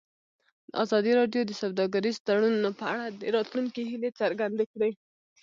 ازادي راډیو د سوداګریز تړونونه په اړه د راتلونکي هیلې څرګندې کړې.